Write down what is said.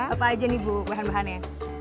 apa aja nih bu bahan bahannya